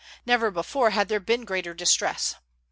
Never before had there been greater distress.